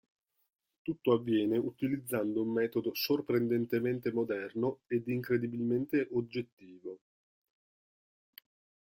Tutto avviene utilizzando un metodo sorprendentemente moderno ed incredibilmente oggettivo.